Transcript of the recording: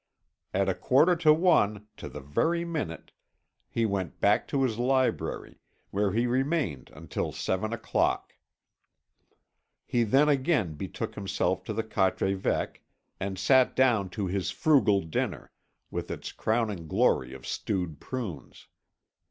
At a quarter to one, to the very minute, he went back to his library, where he remained until seven o'clock. He then again betook himself to the Quatre Évêques, and sat down to his frugal dinner, with its crowning glory of stewed prunes.